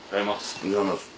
おはようございます。